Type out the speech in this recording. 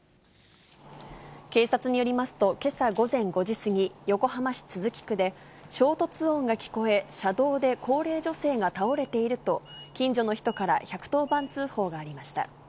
警察によりますと、けさ午前５時過ぎ、横浜市都筑区で、衝突音が聞こえ、車道で高齢女性が倒れていると、近所の人から１１０番通報がありました。